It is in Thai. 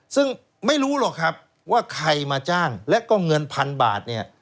ซึ่งไม่รู้หรอกครับว่าใครมาจ้างและก็เงินพันบาทเนี่ย